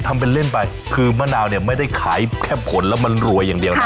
ทำเป็นเล่นไปคือมะนาวเนี่ยไม่ได้ขายแค่ผลแล้วมันรวยอย่างเดียวนะ